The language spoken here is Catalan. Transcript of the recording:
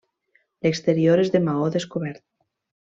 L'exterior és de maó descobert.